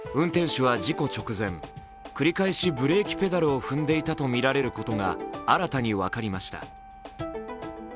運転手は事故直前、繰り返しブレーキペダルを踏んでいたとみられることが新たに分かりました。